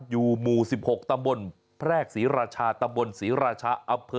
อยู่หมู่๑๖ตำบลแพรกศรีราชาตำบลศรีราชาอำเภอ